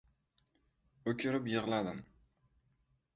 o‘kirib yig‘ladim;